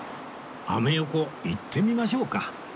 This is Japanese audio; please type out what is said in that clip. アメ横行ってみましょうか